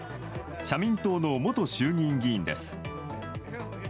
社民党の元衆議院議員です。